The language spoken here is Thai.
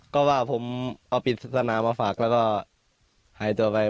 ก็ว่าผมเอาปริศนามาฝากแล้วก็หายตัวไป